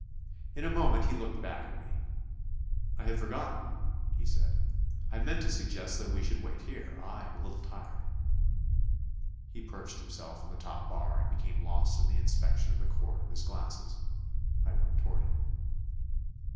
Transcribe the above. In a moment he looked back at me. "I had forgotten," he said; "I meant to suggest that we should wait here I am a little tired." He perched himself on the top bar and became lost in the inspection of the cord of his glasses. I went toward him.